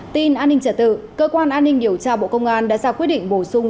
tin an ninh trả tự cơ quan an ninh điều tra bộ công an đã ra quyết định bổ sung